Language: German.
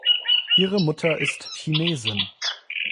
Ihre Mutter ist Chinesin.